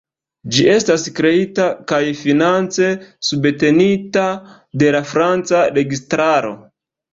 Ĝi estas kreita kaj finance subtenita de la franca registraro.